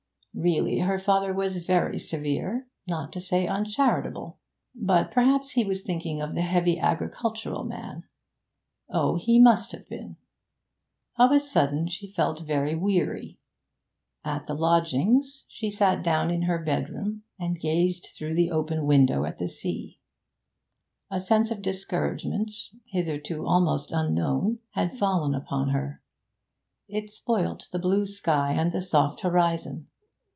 Really, her father was very severe, not to say uncharitable. But perhaps he was thinking of the heavy agricultural man; oh, he must have been! Of a sudden she felt very weary. At the lodgings she sat down in her bedroom, and gazed through the open window at the sea. A sense of discouragement, hitherto almost unknown, had fallen upon her; it spoilt the blue sky and the soft horizon.